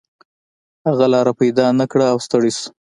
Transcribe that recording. هغه لاره پیدا نه کړه او ستړی شو.